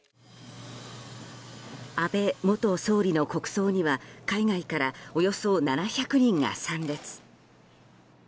安倍元総理の国葬には海外からおよそ７００人が参列。